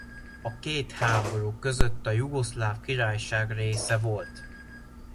A két háború között a Jugoszláv Királyság része volt.